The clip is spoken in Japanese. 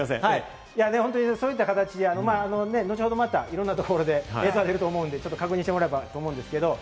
そういった形、後ほど、またいろんなところで映像が出ると思うので、確認してもらえばと思うんですけれども。